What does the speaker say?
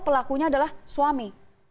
pelakunya adalah suami